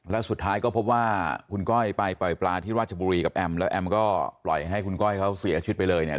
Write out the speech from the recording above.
แล้วสุดท้ายก็พบว่าคุณก้อยไปปล่อยปลาที่ราชบุรีกับแอมแล้วแอมก็ปล่อยให้คุณก้อยเขาเสียชีวิตไปเลยเนี่ย